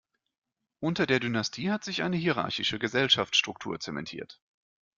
Unter der Dynastie hat sich eine hierarchische Gesellschaftsstruktur zementiert.